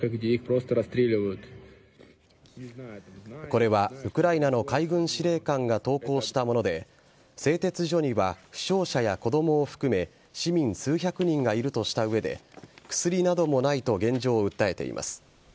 これはウクライナの海軍司令官が投稿したもので製鉄所には負傷者や子供を含め市民数百人がいるとした上で薬などもないと現状を訴えています。